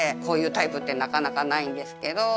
こういうタイプってなかなかないんですけど。